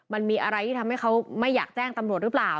มันมีอะไรที่ทำให้เขาไม่อยากแจ้งตำรวจหรือเปล่า